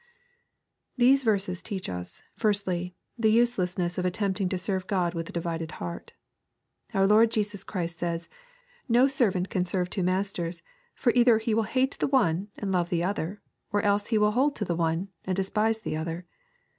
These verses teach us, firstly, the uselessness of attempt^ ing to serve God with a divided heart. Our Lord Jesus Christ says, " No servant can serve two masters : for either he will hate the one and love the other : or else he will hold to the one and despise the other.